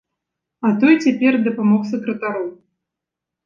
А той цяпер дапамог сакратару.